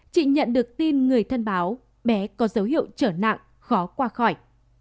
chị nhận được tin người thân báo bé có dấu hiệu trở nặng khó qua khỏi